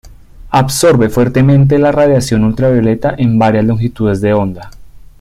Absorbe fuertemente la radiación ultravioleta en varias longitudes de onda.